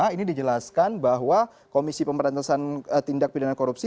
ini dijelaskan bahwa komisi pemerintahan tindak pindahan korupsi